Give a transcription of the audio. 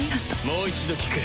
もう一度聞く。